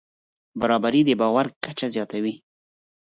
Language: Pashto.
برابري د باور کچه زیاتوي.